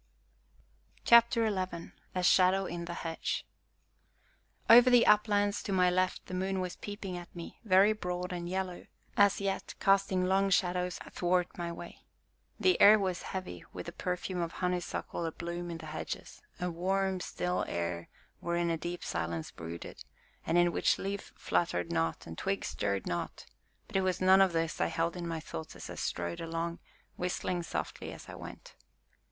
CHAPTER XI A SHADOW IN THE HEDGE Over the uplands, to my left, the moon was peeping at me, very broad and yellow, as yet, casting long shadows athwart my way. The air was heavy with the perfume of honeysuckle abloom in the hedges a warm, still air wherein a deep silence brooded, and in which leaf fluttered not and twig stirred not; but it was none of this I held in my thoughts as I strode along, whistling softly as I went.